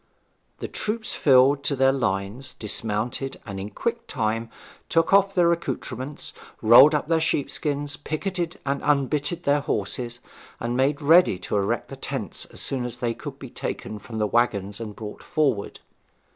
The troops filed to their lines, dismounted, and in quick time took off their accoutrements, rolled up their sheep skins, picketed and unbitted their horses, and made ready to erect the tents as soon as they could be taken from the waggons and brought forward.